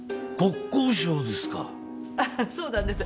そうなんです。